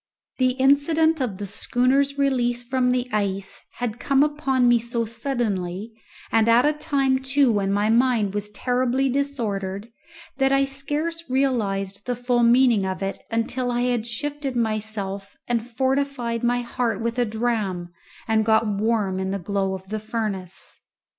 The incident of the schooner's release from the ice had come upon me so suddenly, and at a time too when my mind was terribly disordered, that I scarce realized the full meaning of it until I had shifted myself and fortified my heart with a dram and got warm in the glow of the furnace.